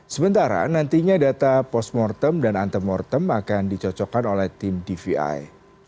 sementara nantinya data postmortem dan antemortem akan dicocokkan oleh tim dvi